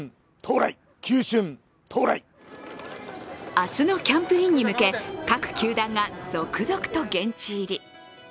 明日のキャンプインに向け各球団が続々と現地入り。